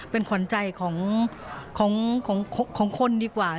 เป็นขวัญใจของคนดีกว่า